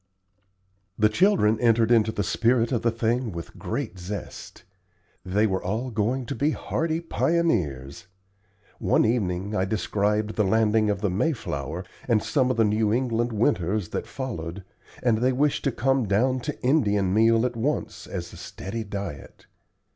The children entered into the spirit of the thing with great zest. They were all going to be hardy pioneers. One evening I described the landing of the "Mayflower," and some of the New England winters that followed, and they wished to come down to Indian meal at once as a steady diet.